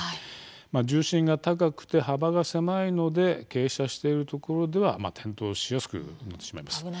重心が高くて幅が狭いので傾斜しているところでは転倒しやすくなってしまいます。